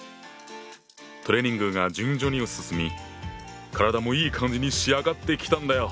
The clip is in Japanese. トレーニングが順調に進み体もいい感じに仕上がってきたんだよ。